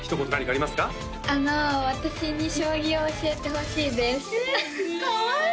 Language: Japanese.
あの私に将棋を教えてほしいですえっかわいい！